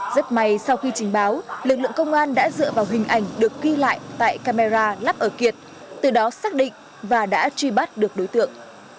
rất may sau khi trình báo lực lượng công an đã dựa vào hình ảnh được ghi lại tại camera lắp ở kiệt từ đó xác định và đã truy bắt được đối tượng